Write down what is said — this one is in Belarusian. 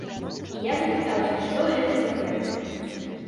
І я запытаўся, што гэта за тэмп.